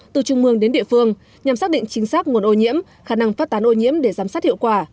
từ trung mương đến địa phương nhằm xác định chính xác nguồn ô nhiễm khả năng phát tán ô nhiễm để giám sát hiệu quả